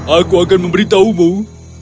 aku akan memberitahumu